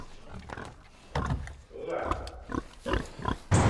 Almost everyone who lives in Fulton County speaks English as their first language.